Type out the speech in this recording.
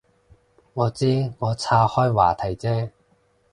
我知，我岔开话题啫